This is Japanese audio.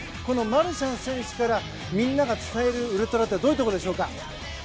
マルシャン選手からみんなが伝えるウルトラってどういうことでしょうか？